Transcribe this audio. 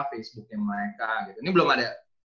facebooknya mereka gitu ini belum ada